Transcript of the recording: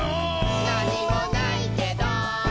「なにもないけど」